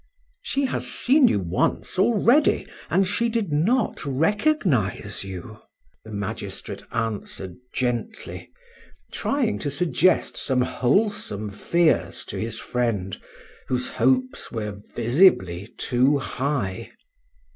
"She has seen you once already, and she did not recognize you," the magistrate answered gently, trying to suggest some wholesome fears to this friend, whose hopes were visibly too high.